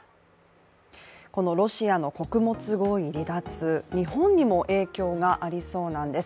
ロシアの穀物合意離脱、日本にも影響がありそうなんです。